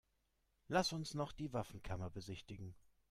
Lass uns noch die Waffenkammer besichtigen.